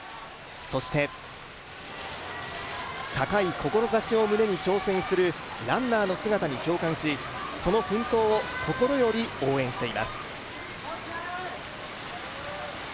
そして、高い志を胸に挑戦するランナーの姿に共感しその奮闘を心より応援しています。